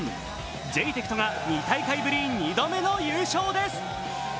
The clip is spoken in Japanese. ジェイテクトが２大会ぶり２度目の優勝です。